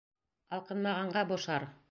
Алҡынмағанға бошар?!